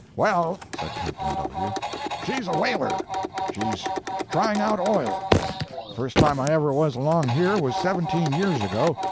"Well," said Captain W., "she's a whaler. She's trying out oil. The first time I ever was along here was seventeen years ago.